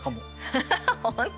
ハハハ本当？